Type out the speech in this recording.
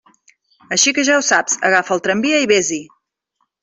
Així que, ja ho saps, agafa el tramvia i vés-hi!